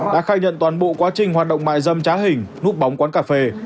đã khai nhận toàn bộ quá trình hoạt động mại dâm trá hình núp bóng quán cà phê